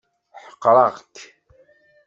Ḥeqreɣ-k.